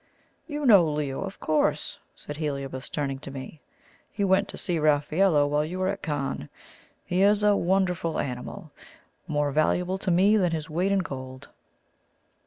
"You know Leo, of course," said Heliobas, turning to me. "He went to see Raffaello while you were at Cannes. He is a wonderful animal more valuable to me than his weight in gold."